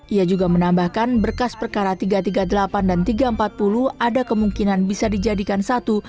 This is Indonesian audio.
ia juga menambahkan berkas perkara tiga ratus tiga puluh delapan dan tiga ratus empat puluh ada kemungkinan bisa dijadikan satu